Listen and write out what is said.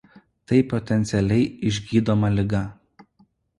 Tai potencialiai išgydoma liga.